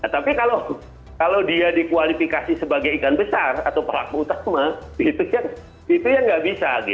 tapi kalau dia dikualifikasi sebagai ikan besar atau pelaku utama itu ya nggak bisa